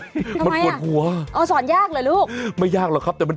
ทำไมนะสอนยากเหรอลูกว่า